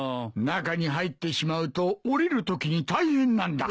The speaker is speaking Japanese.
中に入ってしまうと降りるときに大変なんだ。